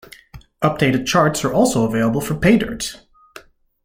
Updated charts are also available for Paydirt!